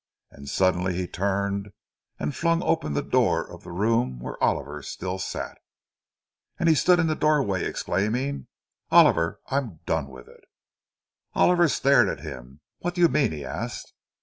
And suddenly he turned and flung open the door of the room where Oliver still sat. And he stood in the doorway, exclaiming, "Oliver, I'm done with it!" Oliver stared at him. "What do you mean?" he asked.